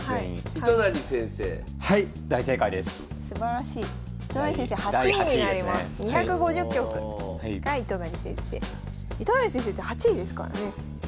糸谷先生で８位ですからね。